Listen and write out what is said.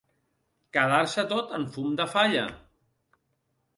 Quedar-se tot en fum de falla.